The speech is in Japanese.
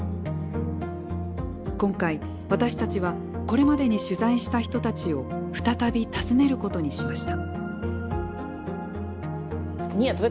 今回、私たちはこれまでに取材した人たちを再び訪ねることにしました。